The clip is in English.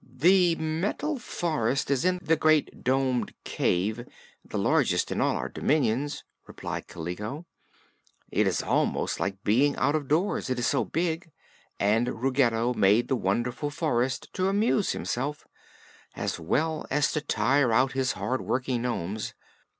"The Metal Forest is in the Great Domed Cavern, the largest in all our dominions," replied Kaliko. "It is almost like being out of doors, it is so big, and Ruggedo made the wonderful forest to amuse himself, as well as to tire out his hard working nomes.